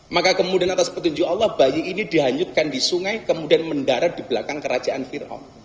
maka kemudian atas petunjuk allah bayi ini dihanyutkan di sungai kemudian mendarat di belakang kerajaan firam